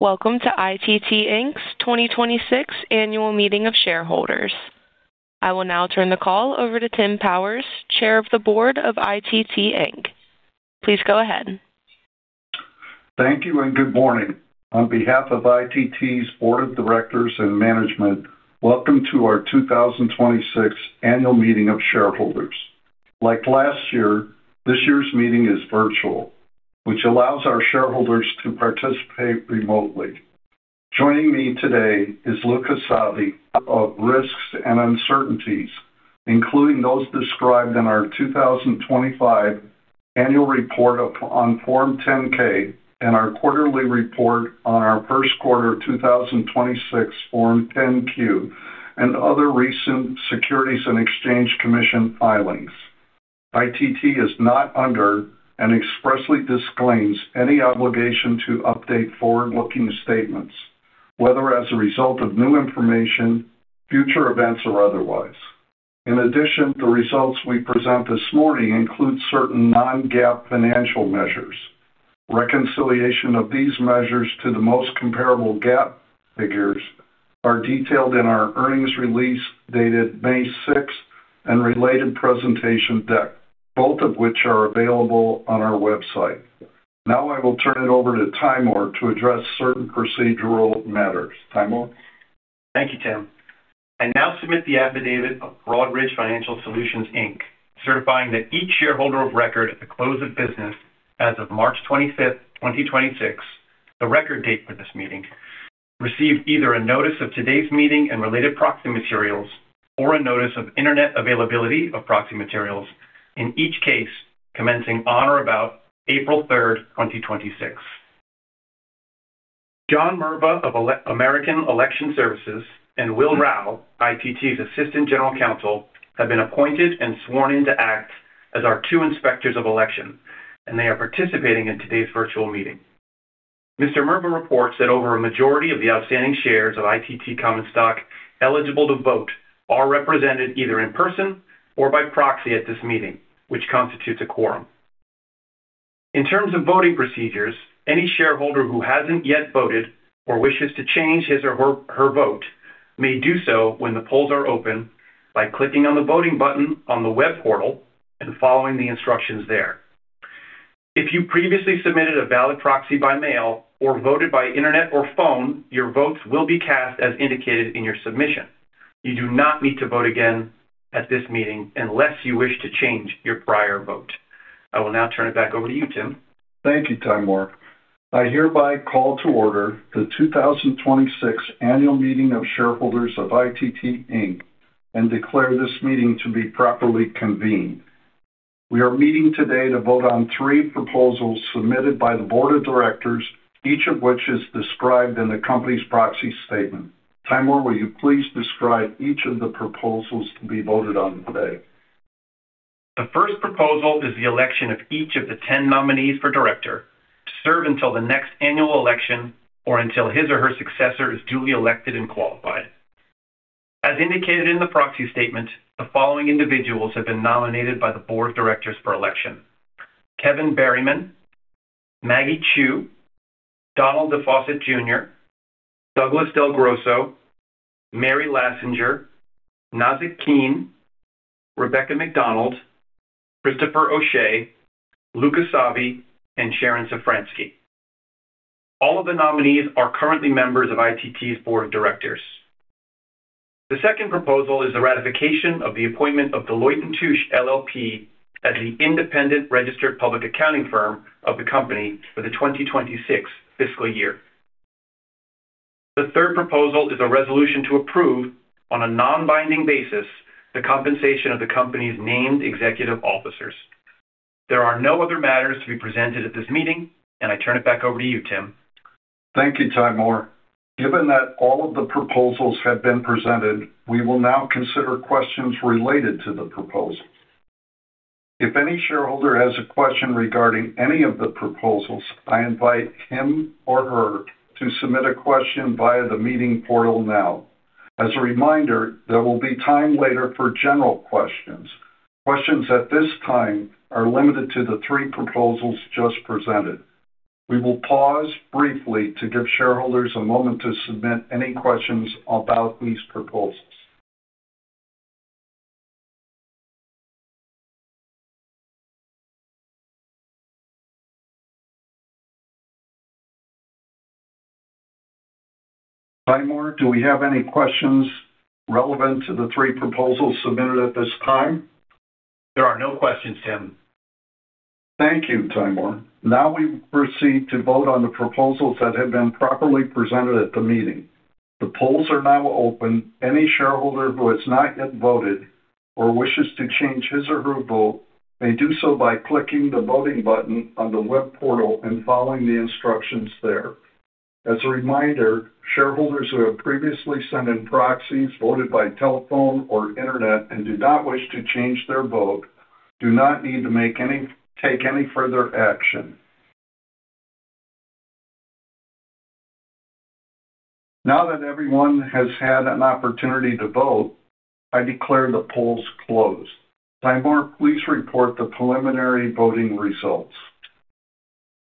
Welcome to ITT Inc.'s 2026 Annual Meeting of Shareholders. I will now turn the call over to Tim Powers, Chair of the Board of ITT Inc. Please go ahead. Thank you and good morning. On behalf of ITT's Board of Directors and management, welcome to our 2026 Annual Meeting of Shareholders. Like last year, this year's meeting is virtual, which allows our shareholders to participate remotely. Joining me today is Luca Savi. Risks and Uncertainties, including those described in our 2025 Annual Report on Form 10-K and our quarterly report on our first quarter of 2026, Form 10-Q, and other recent Securities and Exchange Commission filings. ITT is not under, and expressly disclaims, any obligation to update forward-looking statements, whether as a result of new information, future events, or otherwise. In addition, the results we present this morning include certain non-GAAP financial measures. Reconciliation of these measures to the most comparable GAAP figures are detailed in our earnings release dated May 6th and related presentation deck, both of which are available on our website. Now I will turn it over to [Taimoor] to address certain procedural matters. [Taimoor]? Thank you, Tim. I now submit the affidavit of Broadridge Financial Solutions, Inc., certifying that each shareholder of record at the close of business as of March 25th, 2026, the record date for this meeting, received either a notice of today's meeting and related proxy materials or a notice of Internet availability of proxy materials, in each case commencing on or about April 3rd, 2026. John Merva of American Election Services and Will Rao, ITT's Assistant General Counsel, have been appointed and sworn in to act as our two inspectors of election, and they are participating in today's virtual meeting. Mr. Merva reports that over a majority of the outstanding shares of ITT common stock eligible to vote are represented either in person or by proxy at this meeting, which constitutes a quorum. In terms of voting procedures, any shareholder who hasn't yet voted or wishes to change his or her vote may do so when the polls are open by clicking on the voting button on the web portal and following the instructions there. If you previously submitted a valid proxy by mail or voted by Internet or phone, your votes will be cast as indicated in your submission. You do not need to vote again at this meeting unless you wish to change your prior vote. I will now turn it back over to you, Tim. Thank you, [Taimoor]. I hereby call to order the 2026 Annual Meeting of Shareholders of ITT Inc. and declare this meeting to be properly convened. We are meeting today to vote on three proposals submitted by the board of directors, each of which is described in the company's proxy statement. [Taimoor], will you please describe each of the proposals to be voted on today? The first proposal is the election of each of the 10 nominees for director to serve until the next annual election or until his or her successor is duly elected and qualified. As indicated in the proxy statement, the following individuals have been nominated by the board of directors for election: Kevin Berryman, Maggie Chu, Donald DeFosset Jr., Douglas Del Grosso, Mary Laschinger, Nazzic Keene, Rebecca McDonald, Christopher O'Shea, Luca Savi, and Sharon Szafranski. All of the nominees are currently members of ITT's board of directors. The second proposal is the ratification of the appointment of Deloitte & Touche LLP as the independent registered public accounting firm of the company for the 2026 fiscal year. The third proposal is a resolution to approve, on a non-binding basis, the compensation of the company's named executive officers. There are no other matters to be presented at this meeting, and I turn it back over to you, Tim. Thank you, [Taimoor]. Given that all of the proposals have been presented, we will now consider questions related to the proposals. If any shareholder has a question regarding any of the proposals, I invite him or her to submit a question via the meeting portal now. As a reminder, there will be time later for general questions. Questions at this time are limited to the three proposals just presented. We will pause briefly to give shareholders a moment to submit any questions about these proposals. [Taimoor], do we have any questions relevant to the three proposals submitted at this time? There are no questions, Tim. Thank you, [Taimoor]. We proceed to vote on the proposals that have been properly presented at the meeting. The polls are now open. Any shareholder who has not yet voted or wishes to change his or her vote may do so by clicking the voting button on the web portal and following the instructions there. As a reminder, shareholders who have previously sent in proxies, voted by telephone or Internet, and do not wish to change their vote, do not need to take any further action. Now that everyone has had an opportunity to vote, I declare the polls closed. [Taimoor], please report the preliminary voting results.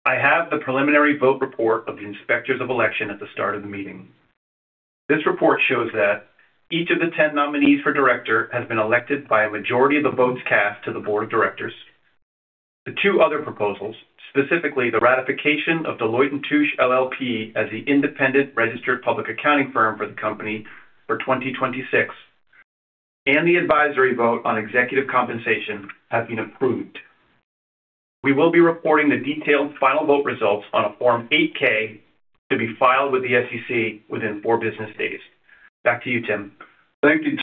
I have the preliminary vote report of the Inspectors of Election at the start of the meeting. This report shows that each of the 10 nominees for director has been elected by a majority of the votes cast to the board of directors. The two other proposals, specifically the ratification of Deloitte & Touche LLP as the independent registered public accounting firm for the company for 2026, and the advisory vote on executive compensation, have been approved. We will be reporting the detailed final vote results on a Form 8-K to be filed with the SEC within four business days. Back to you, Tim. Thank you,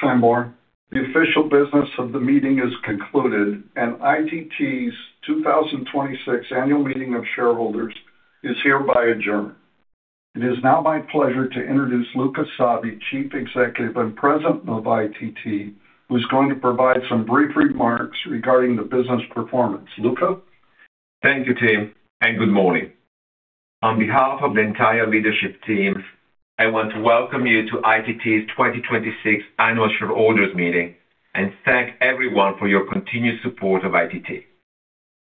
[Taimoor]. The official business of the meeting is concluded, and ITT's 2026 annual meeting of shareholders is hereby adjourned. It is now my pleasure to introduce Luca Savi, Chief Executive and President of ITT, who's going to provide some brief remarks regarding the business performance. Luca? Thank you, Tim, and good morning. On behalf of the entire leadership team, I want to welcome you to ITT's 2026 Annual Shareholders meeting and thank everyone for your continued support of ITT.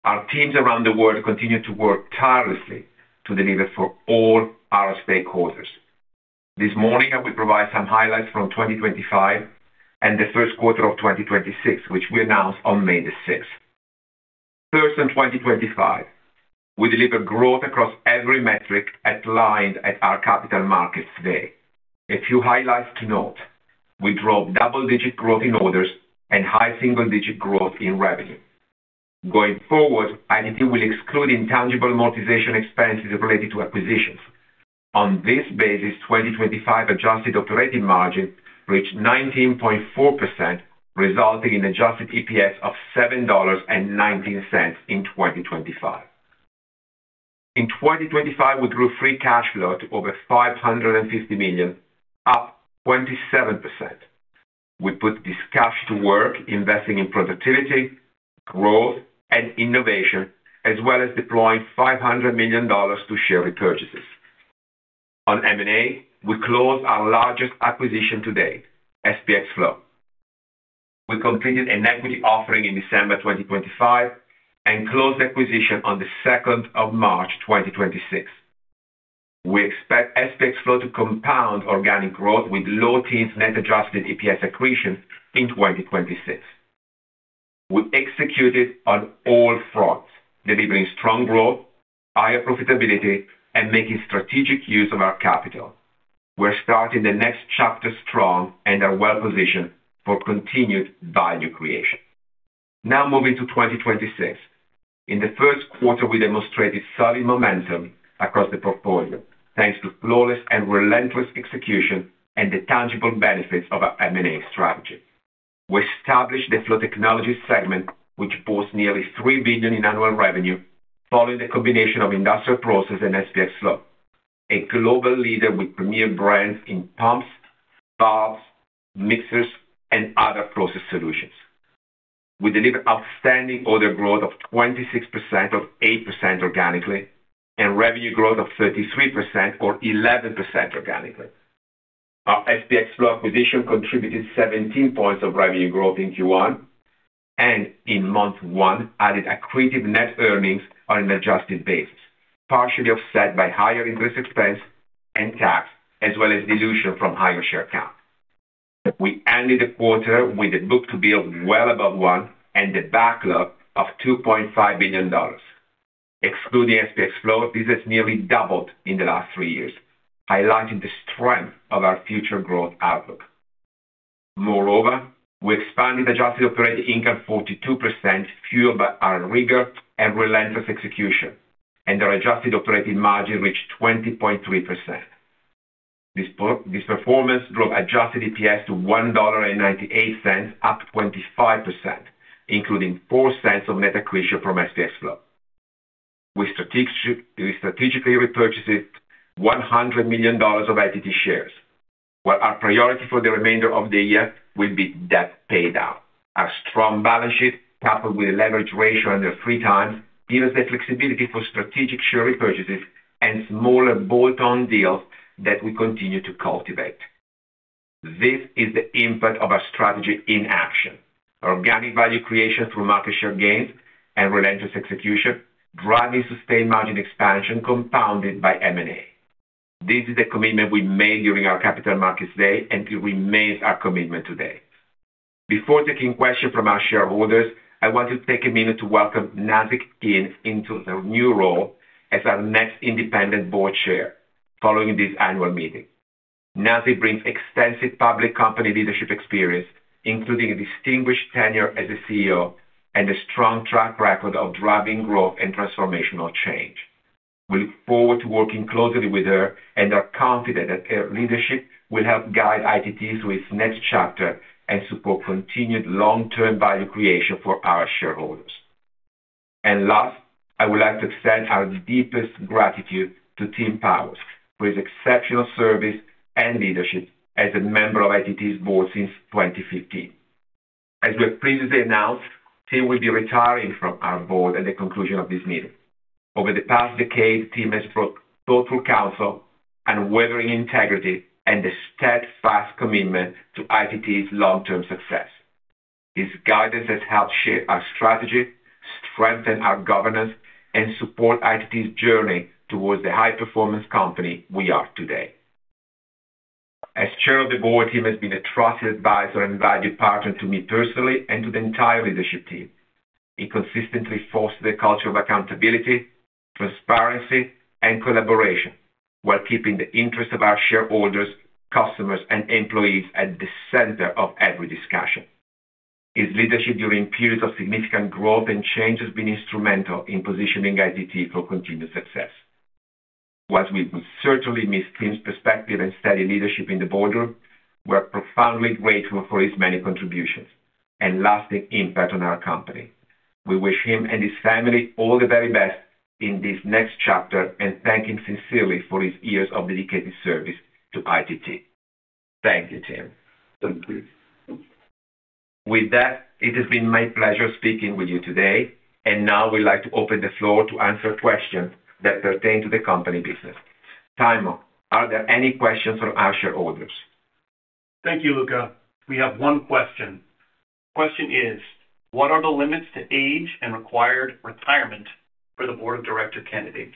Our teams around the world continue to work tirelessly to deliver for all our stakeholders. This morning, I will provide some highlights from 2025 and the first quarter of 2026, which we announced on May 6th. First, in 2025, we delivered growth across every metric outlined at our Capital Markets Day. A few highlights to note: We drove double-digit growth in orders and high single-digit growth in revenue. Going forward, ITT will exclude intangible amortization expenses related to acquisitions. On this basis, 2025 adjusted operating margin reached 19.4%, resulting in adjusted EPS of $7.19 in 2025. In 2025, we grew free cash flow to over $550 million, up 27%. We put this cash to work investing in productivity, growth, and innovation, as well as deploying $500 million to share repurchases. On M&A, we closed our largest acquisition to date, SPX FLOW. We completed an equity offering in December 2025 and closed the acquisition on the 2nd of March 2026. We expect SPX FLOW to compound organic growth with low teens net adjusted EPS accretion in 2026. We executed on all fronts, delivering strong growth, higher profitability, and making strategic use of our capital. We're starting the next chapter strong and are well-positioned for continued value creation. Now moving to 2026. In the first quarter, we demonstrated solid momentum across the portfolio, thanks to flawless and relentless execution and the tangible benefits of our M&A strategy. We established the Flow Technologies segment, which boasts nearly $3 billion in annual revenue, following the combination of Industrial Process and SPX FLOW, a global leader with premier brands in pumps, valves, mixers, and other process solutions. We delivered outstanding order growth of 26%, of 8% organically, and revenue growth of 33%, or 11% organically. Our SPX FLOW acquisition contributed 17 points of revenue growth in Q1, and in month one, added accretive net earnings on an adjusted basis, partially offset by higher interest expense and tax, as well as dilution from higher share count. We ended the quarter with a book-to-bill well above one and a backlog of $2.5 billion. Excluding SPX FLOW, this has nearly doubled in the last three years, highlighting the strength of our future growth outlook. Moreover, we expanded adjusted operating income 42%, fueled by our rigor and relentless execution, and our adjusted operating margin reached 20.3%. This performance drove adjusted EPS to $1.98, up 25%, including $0.04 of net accretion from SPX FLOW. We strategically repurchased $100 million of ITT shares, while our priority for the remainder of the year will be debt paydown. Our strong balance sheet, coupled with a leverage ratio under 3x, gives us the flexibility for strategic share repurchases and smaller bolt-on deals that we continue to cultivate. This is the impact of our strategy in action. Organic value creation through market share gains and relentless execution, driving sustained margin expansion compounded by M&A. This is a commitment we made during our Capital Markets Day, and it remains our commitment today. Before taking questions from our shareholders, I want to take a minute to welcome Nazzic Keene into her new role as our next Independent Board Chair following this annual meeting. Nazzic brings extensive public company leadership experience, including a distinguished tenure as a CEO and a strong track record of driving growth and transformational change. We look forward to working closely with her and are confident that her leadership will help guide ITT through its next chapter and support continued long-term value creation for our shareholders. Last, I would like to extend our deepest gratitude to Tim Powers for his exceptional service and leadership as a member of ITT's Board since 2015. As we have previously announced, Tim will be retiring from our Board at the conclusion of this meeting. Over the past decade, Tim has brought thoughtful counsel and unwavering integrity and a steadfast commitment to ITT's long-term success. His guidance has helped shape our strategy, strengthen our governance, and support ITT's journey towards the high-performance company we are today. As chair of the board, he has been a trusted advisor and valued partner to me personally and to the entire leadership team. He consistently fostered a culture of accountability, transparency, and collaboration while keeping the interest of our shareholders, customers, and employees at the center of every discussion. His leadership during periods of significant growth and change has been instrumental in positioning ITT for continued success. While we will certainly miss Tim's perspective and steady leadership in the boardroom, we are profoundly grateful for his many contributions and lasting impact on our company. We wish him and his family all the very best in this next chapter and thank him sincerely for his years of dedicated service to ITT. Thank you, Tim. Thank you. With that, it has been my pleasure speaking with you today. Now we'd like to open the floor to answer questions that pertain to the company business. [Taimoor], are there any questions from our shareholders? Thank you, Luca. We have one question. The question is: What are the limits to age and required retirement for the Board of Director candidates?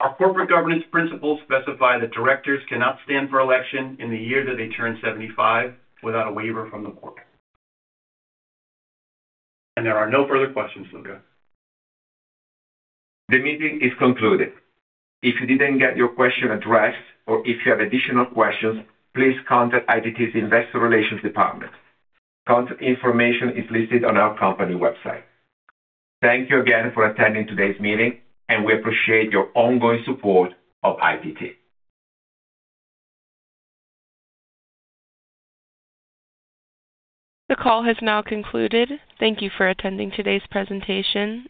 Our corporate governance principles specify that directors cannot stand for election in the year that they turn 75 without a waiver from the Board. There are no further questions, Luca. The meeting is concluded. If you didn't get your question addressed or if you have additional questions, please contact ITT's Investor Relations department. Contact information is listed on our company website. Thank you again for attending today's meeting, and we appreciate your ongoing support of ITT. The call has now concluded. Thank you for attending today's presentation.